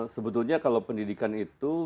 sebetulnya kalau pendidikan itu